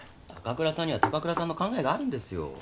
高倉さんには高倉さんの考えがあるんですよ。